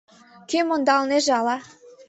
Кӧм ондалынеже ала?